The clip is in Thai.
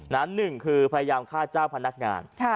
หนึ่งคือพยายามฆ่าเจ้าพนักงาน